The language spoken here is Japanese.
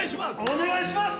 お願いします！